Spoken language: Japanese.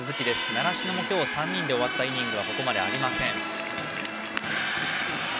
習志野も今日３人で終わったイニングはここまでありません。